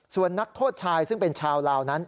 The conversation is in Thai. ส่วนนักโทษชายซึ่งเป็นชาวลาวนั้น